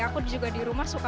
aku juga dirumah suka beli